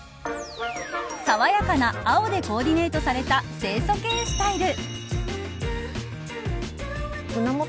爽やかな青でコーディネートされた清そ系スタイル。